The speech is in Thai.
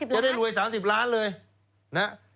จะได้รวย๓๐ล้านเลยนะ